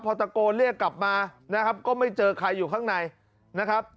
พอตะโกนเรียกกลับมานะครับก็ไม่เจอใครอยู่ข้างในนะครับ